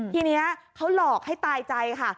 ทีนี้เขาหลอกให้ตายใจค่ะ